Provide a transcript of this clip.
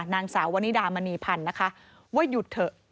นางสาววนิดามณีพันธ์นะคะว่าหยุดเถอะ